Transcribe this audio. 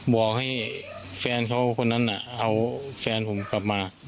บอกให้แฟนเขาคนนั้นเอาแฟนผมกลับมา